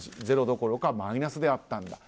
ゼロどころかマイナスであったと。